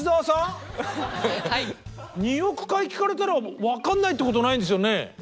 ２億回聴かれたら分かんないってことないんですよね？